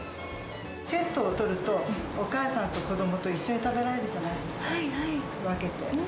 セットを取ると、お母さんと子どもと一緒に食べられるじゃないですか、分けて。